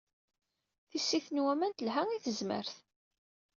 Tisit n waman telha i tezmert